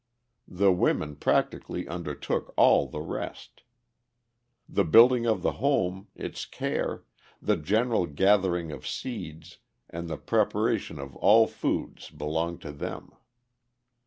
The women practically undertook all the rest. The building of the home, its care, the general gathering of seeds, and the preparation of all foods belong to them.